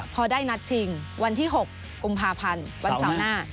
พอได้นัดชิงวันที่๖กุมภาพันธ์วันเสาร์หน้า